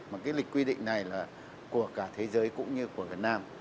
mà cái lịch quy định này là của cả thế giới cũng như của việt nam